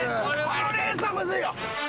このレースはむずいよ。